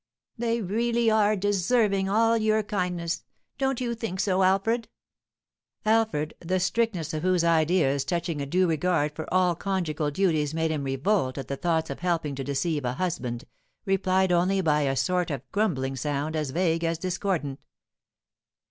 They really are deserving all your kindness, don't you think so, Alfred?" Alfred, the strictness of whose ideas touching a due regard for all conjugal duties made him revolt at the thoughts of helping to deceive a husband, replied only by a sort of grumbling sound, as vague as discordant.